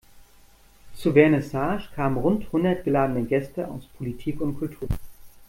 Zur Vernissage kamen rund hundert geladene Gäste aus Politik und Kultur.